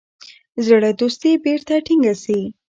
زړه دوستي بیرته ټینګه سي.